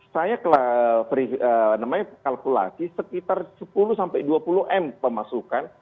saya namanya kalkulasi sekitar sepuluh sampai dua puluh m pemasukan